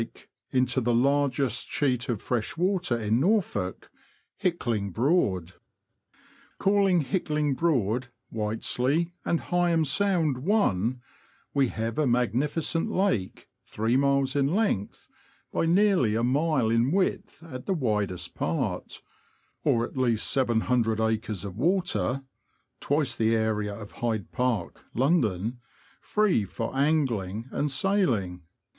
dyke, into the largest sheet of fresh water in Norfolk — Hickling Broad. Calling Hickling Broad, Whiteslea, and Helgham Sound one, we have a magnificent lake three miles in length, by nearly a mile in width at the widest part, or at least 700 acres of water (twice the area of Hyde Park, London), free for angling and sailing.